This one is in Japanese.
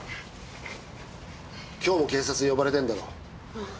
今日も警察に呼ばれてんだろ。